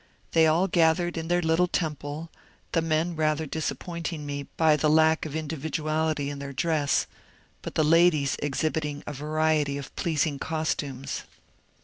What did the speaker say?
They all gathered in their little temple, the men rather disappointing me by the lack of individuality in their dress, but the ladies exhibiting a variety of pleasing costumes.